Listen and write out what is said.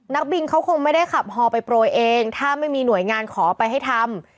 นักบินเขาคงไม่ได้ขับฮอลไปโปรยเองถ้าไม่มีหน่วยงานขอไปให้ทำ